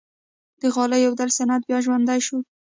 د غالۍ اوبدلو صنعت بیا ژوندی شو؟